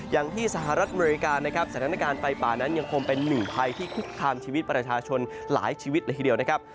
อย่างที่สหรัฐอเมริกานะครับสถานการณ์ไฟป่านั้นยังคงเป็นหนึ่งภัยที่คุกคามชีวิตประชาชนหลายชีวิตเลยทีเดียวนะครับ